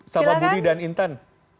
sama budi dan intan